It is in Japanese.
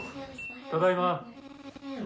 ただいま。